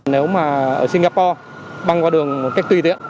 nếu mà ở singapore băng qua đường một cách tùy tiện